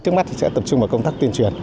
trước mắt sẽ tập trung vào công tác tuyên truyền